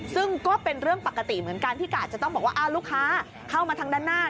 ซึ่งก็เป็นเรื่องปกติเหมือนกันที่กาดจะต้องบอกว่าลูกค้าเข้ามาทางด้านหน้า